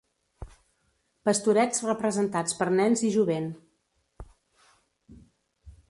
Pastorets representats per nens i jovent.